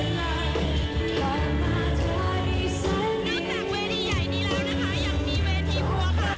นอกจากเวทีใหญ่นี้แล้วนะคะยังมีเวทีครัวค่ะ